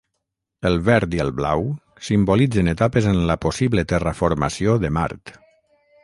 El verd i el blau simbolitzen etapes en la possible terraformació de Mart.